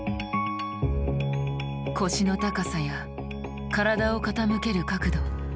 腰の高さや体を傾ける角度。